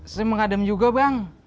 saya mengadam juga bang